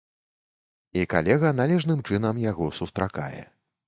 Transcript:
І калега належным чынам яго сустракае.